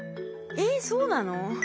えそうなの？